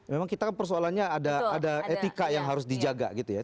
memang kita kan persoalannya ada etika yang harus dijaga gitu ya